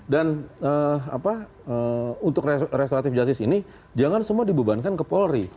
dan untuk restoratif justice ini jangan semua dibebankan ke polri